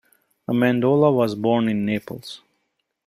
Amendola was born in Naples.